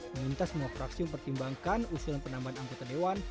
meminta semua fraksi mempertimbangkan usulan penambahan anggota dewan